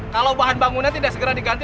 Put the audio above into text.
kalau bahan bangunan tidak segera diganti